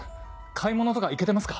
買い物とか行けてますか？